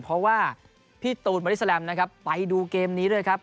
เพราะว่าพี่ตูนบอดี้แลมนะครับไปดูเกมนี้ด้วยครับ